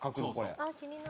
あっ気になる。